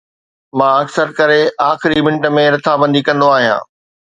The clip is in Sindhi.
مان اڪثر ڪري آخري منٽ ۾ رٿابندي ڪندو آهيان